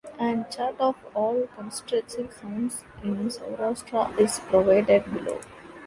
An chart of all contrastive sounds in Saurashtra is provided below.